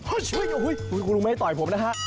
โอ้โฮคุณลุงไม่ให้ต่อยผมนะฮะ